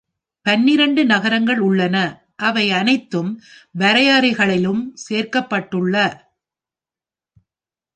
பன்னிரண்டு நகரங்கள் உள்ளன அவை அனைத்து வரையறைகளிலும் சேர்க்கப்பட்டுள்ள.